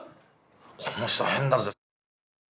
「この人変だぜ」。